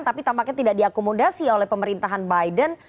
tapi tampaknya tidak diakomodasi oleh pemerintahan biden